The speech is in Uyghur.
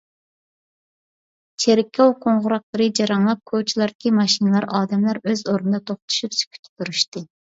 چېركاۋ قوڭغۇراقلىرى جاراڭلاپ، كوچىلاردىكى ماشىنىلار، ئادەملەر ئۆز ئورنىدا توختىشىپ سۈكۈتتە تۇرۇشتى.